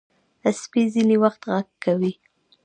سپي ځینې وخت غږ کوي.